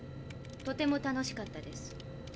とても楽しかったです。